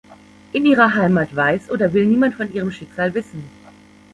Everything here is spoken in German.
In ihrer Heimat weiß oder will niemand von ihrem Schicksal wissen.